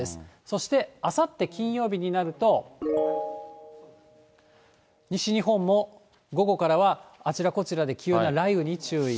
そして、あさって金曜日になると、西日本も午後からは、あちらこちらで急な雷雨に注意。